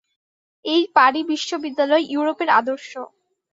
এই পারি বিশ্ববিদ্যালয় ইউরোপের আদর্শ।